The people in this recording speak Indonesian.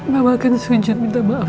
mama akan sujud minta maaf